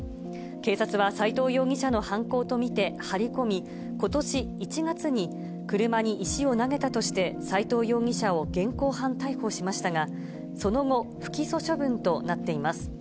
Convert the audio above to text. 警察は斎藤容疑者の犯行と見て張り込み、ことし１月に、車に石を投げたとして、斎藤容疑者を現行犯逮捕しましたが、その後、不起訴処分となっています。